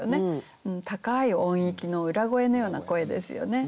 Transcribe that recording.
高い音域の裏声のような声ですよね。